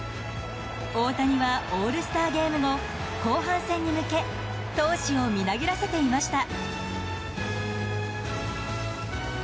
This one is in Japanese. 大谷はオールスターゲーム後後半戦に向け闘志をみなぎらせていました。